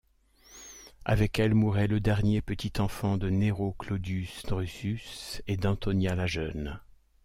Avec elle mourait le dernier petit-enfant de Nero Claudius Drusus et d’Antonia la Jeune.